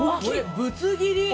ぶつ切り。